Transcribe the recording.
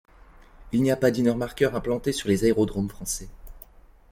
Il n'y a pas d'inner marker implanté sur les aérodromes français.